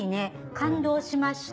「感動しました」。